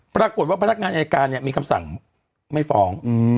ปรากฏว่าพนักงานอายการเนี่ยมีคำสั่งไม่ฟอง